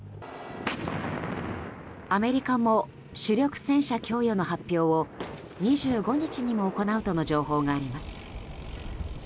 アメリカも主力戦車供与の発表を２５日にも行うとの情報があります。